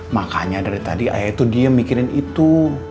makanya dari tadi ayah itu diem mikirin itu